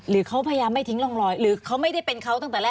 หรือเขาพยายามไม่ทิ้งร่องรอยหรือเขาไม่ได้เป็นเขาตั้งแต่แรก